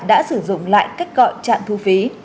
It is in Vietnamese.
đã sử dụng lại cách gọi trạng thu phí